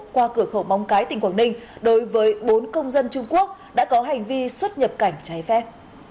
qua cửa khẩu móng cái tỉnh quảng ninh đối với bốn công dân trung quốc đã có hành vi xuất nhập cảnh trái phép